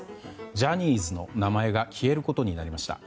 ジャニーズの名前が消えることになりました。